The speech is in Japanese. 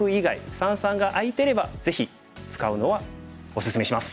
三々が空いてればぜひ使うのはおすすめします。